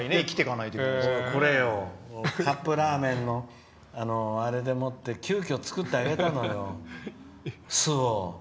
カップラーメンのあれでもって急きょ、作ってあげたのよ、巣を。